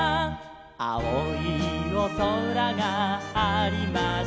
「あおいおそらがありました」